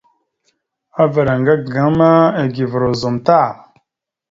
Avaɗ ŋga gaŋa ma eguvoróosom tam.